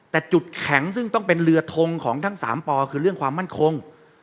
แต่จุดแข็งซึ่งต้องเป็นเรือทงของทั้ง๓ปอคือเรื่องความมั่นคง